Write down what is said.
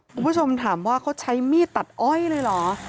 คุณผู้ชมถามว่าเขาใช้มีดตัดอ้อยเลยเหรอ